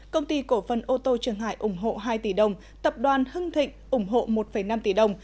công ty cổ phần ô tô trường hải ủng hộ hai tỷ đồng tập đoàn hưng thịnh ủng hộ một năm tỷ đồng